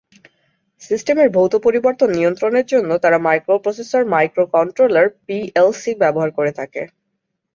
সিস্টেমের ভৌত পরিবর্তন নিয়ন্ত্রণের জন্য তারা মাইক্রোপ্রসেসর, মাইক্রো কন্ট্রোলার, পিএলসি ব্যবহার করে থাকে।